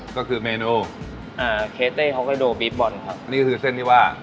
ก็คือเมนูอ่าเคสเต้ฮอกไกโดบี๊ดบอลครับนี่ก็คือเส้นที่ว่า